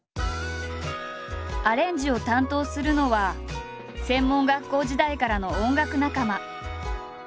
アレンジを担当するのは専門学校時代からの音楽仲間。